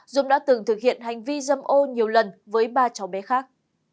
dũng đã từng thực hiện hành vi dâm ô nhiều lần với ba cháu bé khác